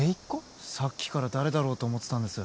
さっきから誰だろうと思ってたんです